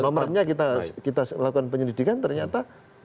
nomornya kita lakukan penyelidikan ternyata